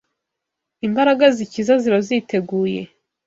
imbaraga zikiza ziba ziteguye